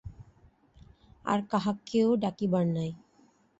আর কাহাকেও ডাকিবার নাই ।